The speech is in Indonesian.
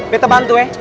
minta bantu ya